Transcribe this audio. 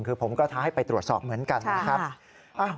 คือผมก็ท้าให้ไปตรวจสอบเหมือนกันนะครับ